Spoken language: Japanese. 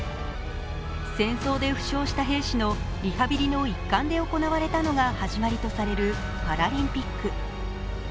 戦争で負傷した兵士のリハビリの一環で行われたのが始まりとされるパラリンピック。